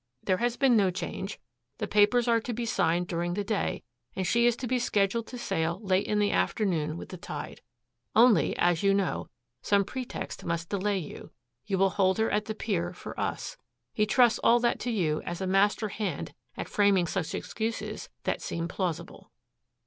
There has been no change. The papers are to be signed during the day and she is to be scheduled to sail late in the afternoon with the tide. Only, as you know, some pretext must delay you. You will hold her at the pier for us. He trusts all that to you as a master hand at framing such excuses that seem plausible."